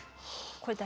これ誰？